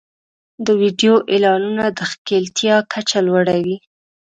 د ویډیو اعلانونه د ښکېلتیا کچه لوړوي.